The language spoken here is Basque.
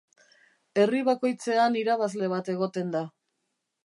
Herri bakoitzean irabazle bat egoten da.